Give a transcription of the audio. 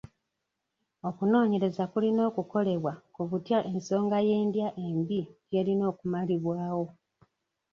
Okunoonyereza kulina okukolebwa ku butya ensonga y'endya embi gy'erina okumalibwawo.